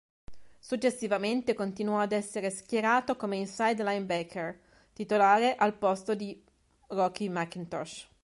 Successivamente continuò ad essere schierato come "inside linebacker" titolare al posto di Rocky McIntosh.